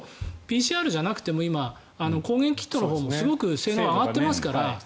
でも、ＰＣＲじゃなくても今、抗原キットのほうもすごく性能が上がっていますから。